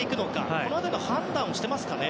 この辺りの判断をしていますかね。